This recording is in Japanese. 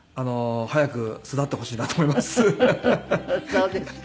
そうですか。